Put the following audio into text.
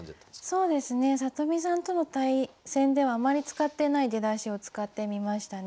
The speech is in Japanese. そうですね里見さんとの対戦ではあまり使ってない出だしを使ってみましたね。